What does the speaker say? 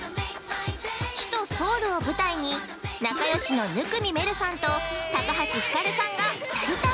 首都ソウルを舞台に、仲よしの生見愛瑠さんと高橋ひかるさんが二人旅。